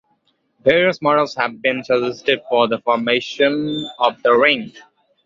Various models have been suggested for the formation of the ring.